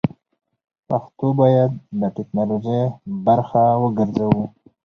پښتو بايد د ټيکنالوژۍ برخه وګرځوو!